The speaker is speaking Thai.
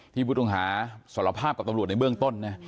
ที่พุทธอุงหาสารภาพกับตำรวจในเบื้องต้น